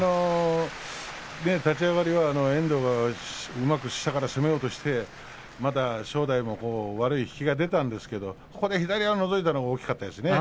立ち上がりは遠藤がうまく下から攻めようとして正代も、悪い引きが出たんですが左のがのぞいたのが大きかったですね。